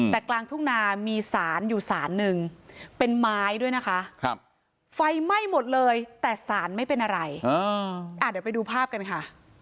แต่กลางทุ่งนามีสารอยู่สารหนึ่งเป็นไม้ด้วยนะคะไฟไหม้หมดเลยแต่สารไม่เป็นอะไรเดี๋ยวไปดูภาพกันค่ะ